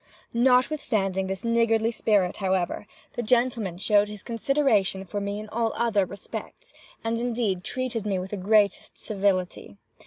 Notwithstanding this niggardly spirit, however, the gentleman showed his consideration for me in all other respects, and indeed treated me with the greatest civility.